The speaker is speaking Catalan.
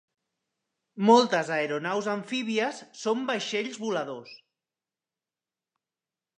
Moltes aeronaus amfíbies són vaixells voladors.